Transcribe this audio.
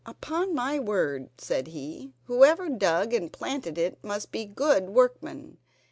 "Upon my word," said he, "whoever dug and planted it must be good workmen.